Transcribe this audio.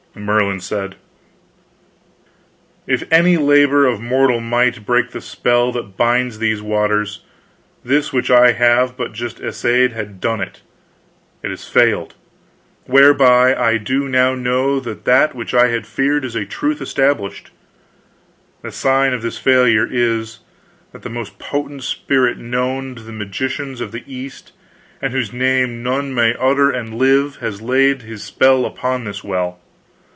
Merlin said: "If any labor of mortal might break the spell that binds these waters, this which I have but just essayed had done it. It has failed; whereby I do now know that that which I had feared is a truth established; the sign of this failure is, that the most potent spirit known to the magicians of the East, and whose name none may utter and live, has laid his spell upon this well.